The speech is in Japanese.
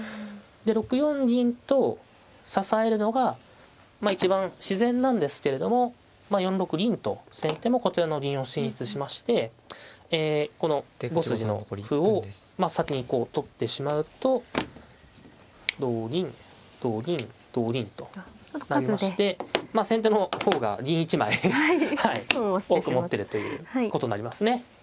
で６四銀と支えるのがまあ一番自然なんですけれどもまあ４六銀と先手もこちらの銀を進出しましてこの５筋の歩をまあ先にこう取ってしまうと同銀同銀同銀となりましてまあ先手の方が銀１枚多く持ってるということになりますね。